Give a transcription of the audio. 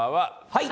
はい！